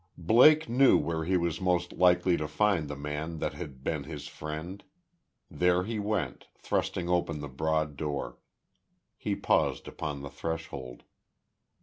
Blake knew where he was most likely to find the man that had been his friend. There he went, thrusting open the broad door. He paused upon the threshold....